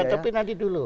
ya tapi nanti dulu